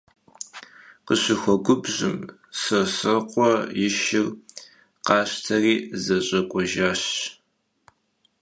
Khışıxuegubjım, Sosrıkhue yi şşır khaşteri zeş'ek'uejjaş.